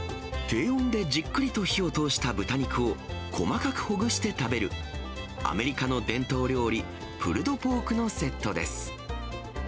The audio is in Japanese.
低温でじっくりと火を通した豚肉を細かくほぐして食べる、アメリカの伝統料理、プルドポークのセットです。